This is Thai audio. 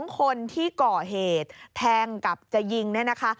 ๒คนที่ก่อเหตุแทงกับจะยิงเนี่ยนะคะ